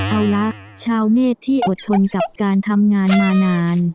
เอาละชาวเนธที่อดทนกับการทำงานมานาน